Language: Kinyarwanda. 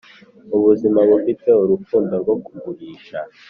ubuzima bufite urukundo rwo kugurisha,